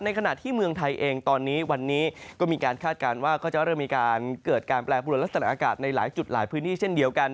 ขณะที่เมืองไทยเองตอนนี้วันนี้ก็มีการคาดการณ์ว่าก็จะเริ่มมีการเกิดการแปรปรวนลักษณะอากาศในหลายจุดหลายพื้นที่เช่นเดียวกัน